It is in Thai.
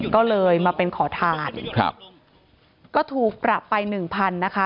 ก็เลยมาเป็นขอทานก็ถูกประไป๑๐๐๐นะคะ